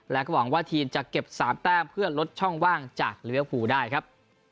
และก็หวังว่าทีมจะเก็บ๓แต้มเพื่อลดช่องว่างจากลิเวอร์ฟูได้ครับ